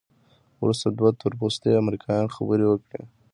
وروسته دوه تورپوستي امریکایان خبرې وکړې.